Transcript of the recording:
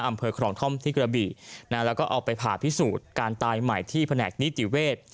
อำเภอครองท่อมที่กระบี่แล้วก็เอาไปผ่าพิสูจน์การตายใหม่ที่แผนกนิติเวศ